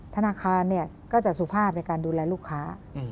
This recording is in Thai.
ธนาคารก็จะสุภาพในการดูแลลูกค้า